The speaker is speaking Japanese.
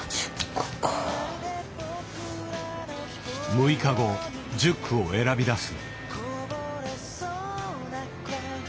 ６日後１０句を選び出す。